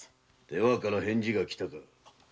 出羽から返事が来たか？